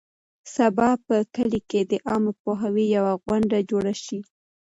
سبا به په کلي کې د عامه پوهاوي یوه غونډه جوړه شي.